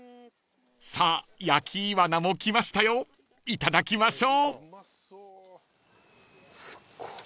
［さあ焼きイワナも来ましたよいただきましょう！］